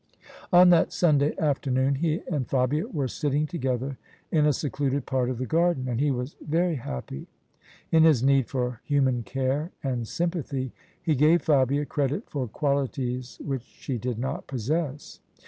On that Sunday afternoon he and Fabia were sitting together in a secluded part of the garden ; and he was very happy. In his need for human care and sympathy, he gave Fabia credit for qualities which she did not possess.